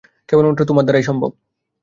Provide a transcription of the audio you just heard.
কেবলমাত্র তোমার দ্বারাই সম্ভব।